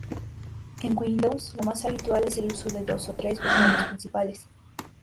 En Windows, lo más habitual es el uso de dos o tres botones principales.